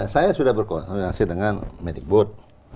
saya sudah berkoordinasi dengan medikbud